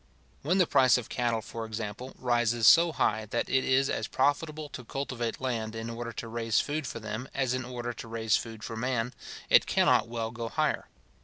When the price of cattle, for example, rises so high, that it is as profitable to cultivate land in order to raise food for them as in order to raise food for man, it cannot well go higher.